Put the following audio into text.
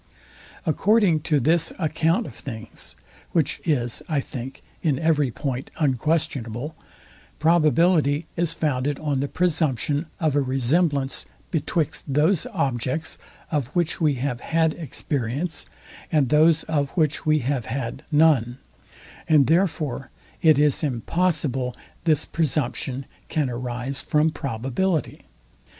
According to this account of things, which is, I think, in every point unquestionable, probability is founded on the presumption of a resemblance betwixt those objects, of which we have had experience, and those, of which we have had none; and therefore it is impossible this presumption can arise from probability.